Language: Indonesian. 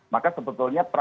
maka sebetulnya praktiknya